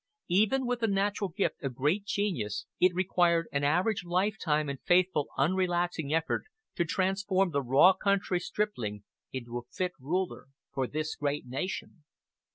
Even with the natural gift of great genius it required an average lifetime and faithful unrelaxing effort, to transform the raw country stripling into a fit ruler for this great nation.